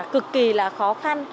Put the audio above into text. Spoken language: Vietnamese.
cực kỳ là khó khăn